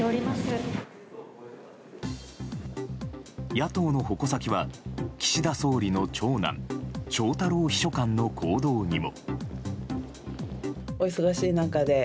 野党の矛先は岸田総理の長男翔太郎秘書官の行動にも。